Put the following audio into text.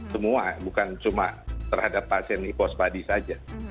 semua bukan cuma terhadap pasien hipospadi saja